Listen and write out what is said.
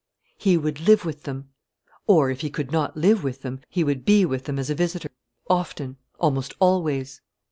He would live with them; or, if he could not live with them, he would be with them as a visitor, often almost always.